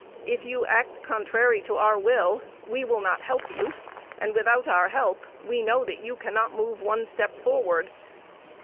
If you act contrary to our will, we will not help you and, without our help, we know that you cannot move one step forward.